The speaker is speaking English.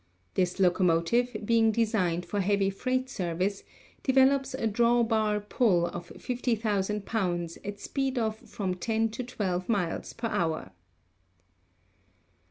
This locomotive, being designed for heavy freight service, develops a draw bar pull of 50,000 pounds at speed of from 10 to 12 miles per hour.